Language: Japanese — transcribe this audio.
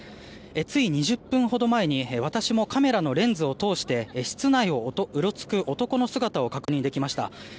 つい２０分ほど前に私もカメラのレンズを通して室内をうろつく男の姿を確認できました。